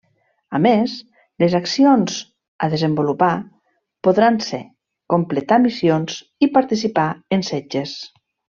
A més, les accions a desenvolupar podran ser: completar missions i participar en setges.